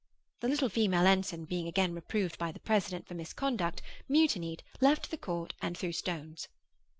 (The little female ensign being again reproved by the president for misconduct, mutinied, left the court, and threw stones.)